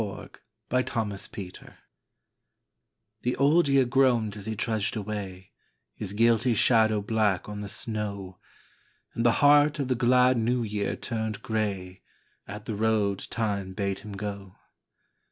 BLOOD ROAD THE Old Year groaned as he trudged away, His guilty shadow black on the snow, And the heart of the glad New Year turned grey At the road Time bade him go.